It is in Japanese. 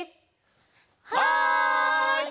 はい！